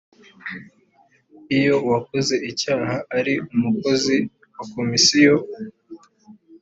iyo uwakoze icyaha ari umukozi wa komisiyo